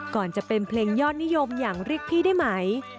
ก่อนจะเป็นเพลงยอดนิยมอย่างเรียกพี่ได้ไหม